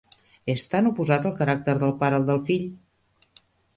És tan oposat el caràcter del pare al del fill!